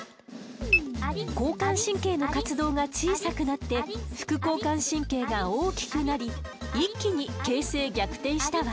交感神経の活動が小さくなって副交感神経が大きくなり一気に形勢逆転したわ。